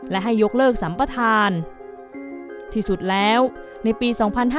และให้ยกเลิกสัมปทานที่สุดแล้วในปี๒๕๕๙